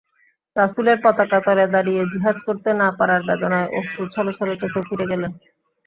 রাসূলের পতাকা তলে দাঁড়িয়ে জিহাদ করতে না পারার বেদনায় অশ্রু ছলছল চোখে ফিরে গেলেন।